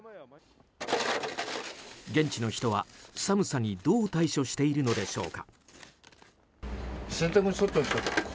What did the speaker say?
現地の人は寒さにどう対処しているのでしょうか。